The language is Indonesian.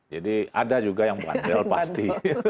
jadi ada juga yang bandel pasti